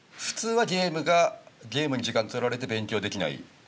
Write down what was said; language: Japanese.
普通はゲームがゲームに時間とられて勉強できない。